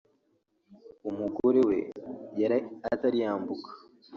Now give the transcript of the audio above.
umugore we yari atari yambuka